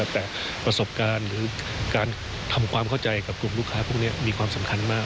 แต่ประสบการณ์หรือการทำความเข้าใจกับกลุ่มลูกค้าพวกนี้มีความสำคัญมาก